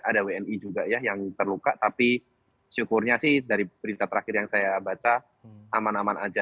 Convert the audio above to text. ada wni juga ya yang terluka tapi syukurnya sih dari berita terakhir yang saya baca aman aman aja